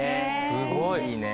すごい。